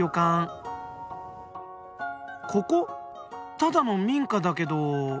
ただの民家だけど。